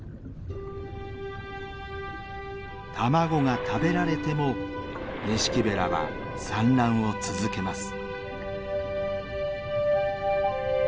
卵が食べられてもニシキベラは産卵を続けます。